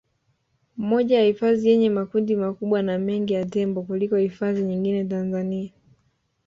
Moja ya hifadhi yenye makundi makubwa na mengi ya Tembo kuliko hifadhi nyingine Tanzania